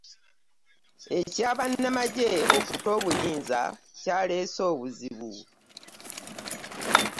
Ekya bannamagye okuta obuyinza kyaleese obuzibu.